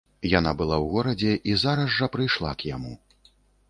Яна была ў горадзе і зараз жа прыйшла к яму.